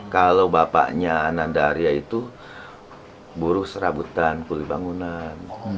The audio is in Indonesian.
kalau bapaknya ananda arya itu buruh serabutan kuli bangunan